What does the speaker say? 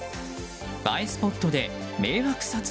映えスポットで迷惑撮影。